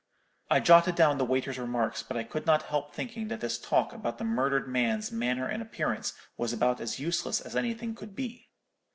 "I jotted down the waiter's remarks; but I could not help thinking that this talk about the murdered man's manner and appearance was about as useless as anything could be.